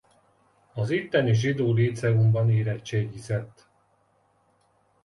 Az itteni zsidó líceumban érettségizett.